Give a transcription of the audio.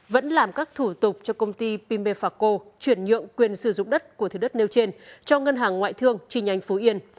vẫn làm các thủ tục cho công ty pimefaco chuyển nhượng quyền sử dụng đất của thứ đất nêu trên cho ngân hàng ngoại thương chi nhánh phú yên